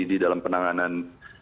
di dalam penanganan